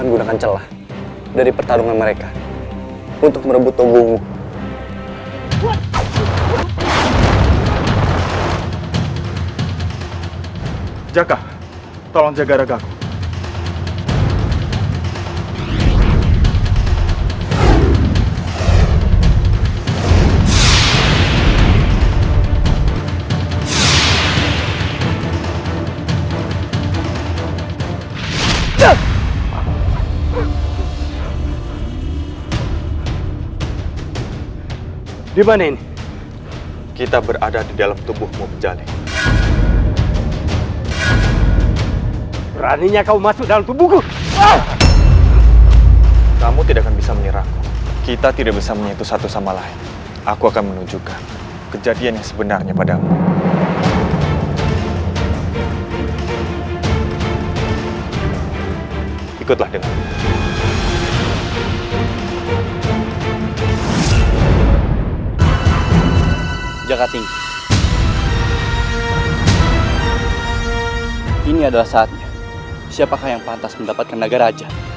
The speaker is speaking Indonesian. gelarmu itu hanya fana